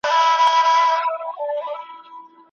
دا ستاسې حق دی.